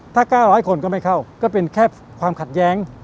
ถ้า๙๐๐คนก็ไม่เข้าก็เป็นแค่ความขัดแย้ง